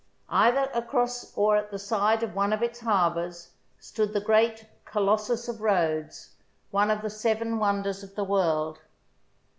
Either across or at the side of one of its harbours stood the great " Colossus of Rhodes," one of the Seven Wonders of the world.